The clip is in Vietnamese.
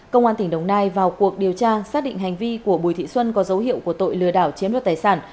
công an tỉnh đồng nai vào cuộc điều tra xác định hành vi của bùi thị xuân có dấu hiệu của tội lừa đảo chiếm đoạt tài sản